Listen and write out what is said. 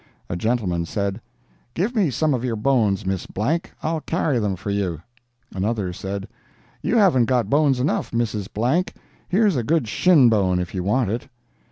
A gentleman said: "Give me some of your bones, Miss Blank; I'll carry them for you." Another said: "You haven't got bones enough, Mrs. Blank; here's a good shin bone, if you want it.."